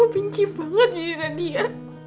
gue benci banget jadi nadia